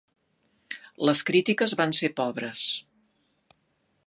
Les crítiques van ser pobres.